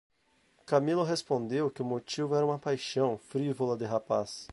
Camilo respondeu que o motivo era uma paixão frívola de rapaz.